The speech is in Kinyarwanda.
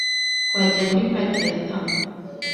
Twagiye muri pariki ya Tama.